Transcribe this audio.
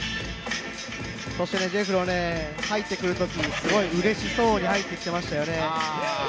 そしてＪｅｆｆｒｏ、入ってくるときすごいうれしそうに入ってきていましたよね。